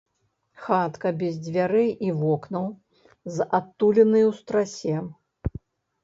Хатка без дзвярэй і вокнаў, з адтулінай у страсе.